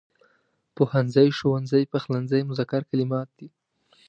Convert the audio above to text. پوهنځی، ښوونځی، پخلنځی مذکر کلمات دي.